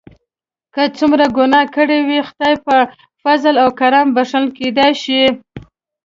که څومره ګناه کړي وي خدای په فضل او کرم بښل کیدای شي.